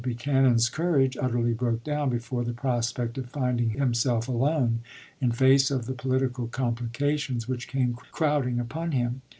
Buchanan's courage utterly broke down before the prospect of finding himself alone in face of the political com plications which came crowding upon him.